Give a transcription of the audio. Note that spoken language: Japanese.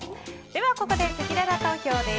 ここで、せきらら投票です。